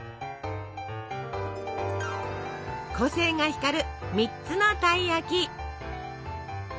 個性が光る３つのたい焼き。